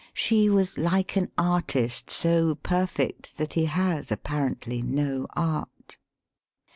She was like an artist so perfect that he has apparently no art.